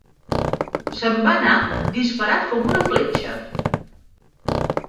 Se'n va anar disparat com una fletxa.